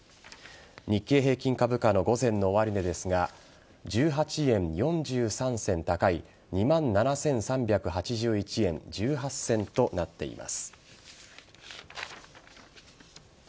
日経平均株価の午前の終値ですが１８円４３銭高い２万７３８１円１８銭となっています。